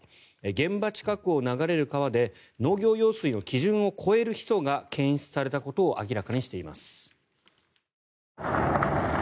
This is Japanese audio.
現場近くを流れる川で農業用水の基準を超えるヒ素が検出されたことを明らかにしています。